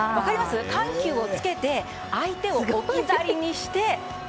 緩急をつけて相手を置き去りにして。